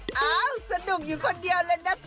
ทุกคนอยู่คนเดียวเลยนะพ่อ